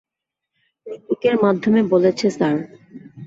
রূপকের মাধ্যমে বলেছে স্যার।